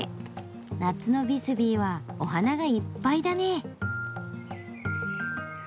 夏のビスビーはお花がいっぱいだね。